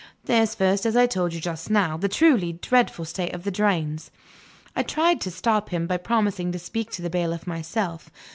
There's first, as I told you just now, the truly dreadful state of the drains " I tried to stop him by promising to speak to the bailiff myself.